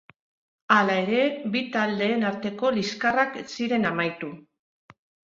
Hala ere, bi taldeen arteko liskarrak ez ziren amaitu.